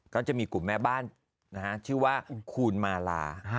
ก็จะมีกลุ่มแม่บ้านชื่อว่าคูณมาลา